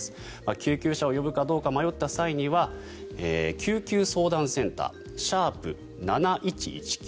救急車を呼ぶか迷った際には救急相談センター「＃７１１９」。